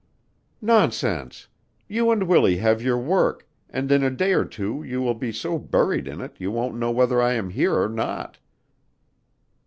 "Nonsense! You and Willie have your work, and in a day or two you will be so buried in it you won't know whether I am here or not."